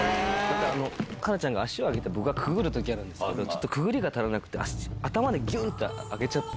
哉中ちゃんが脚を上げて僕がくぐる時があるんですけどくぐりが足らなくて頭でギュって上げちゃって